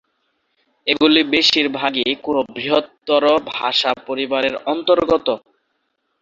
এগুলি বেশির ভাগই কোন বৃহত্তর ভাষা পরিবারের অন্তর্গত।